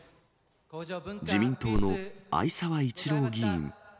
自民党の逢沢一郎議員。